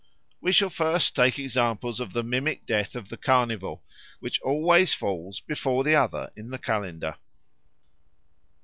We shall first take examples, of the mimic death of the Carnival, which always falls before the other in the calendar.